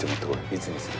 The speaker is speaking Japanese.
いつにする？」